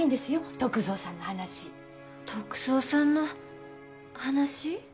篤蔵さんの話篤蔵さんの話？